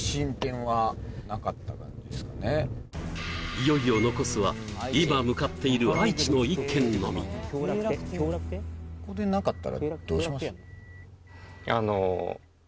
いよいよ残すは今向かっている愛知の１軒のみあの潰れちゃった？